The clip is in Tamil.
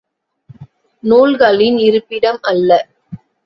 நூல்களின் இருப்பிடம் அல்ல.